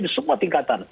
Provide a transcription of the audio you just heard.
di semua tingkatan